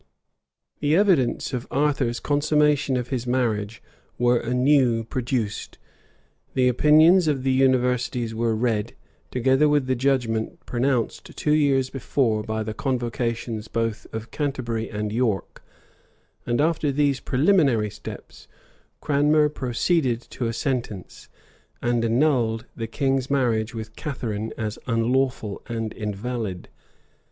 The evidences of Arthur's consummation of his marriage were anew produced; the opinions of the universities were read, together with the judgment pronounced two years before by the convocations both of Canterbury and York, and after these preliminary steps, Cranmer proceeded to a sentence, and annulled the king's marriage with Catharine as unlawful and invalid.